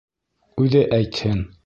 Үҙе әйтһен!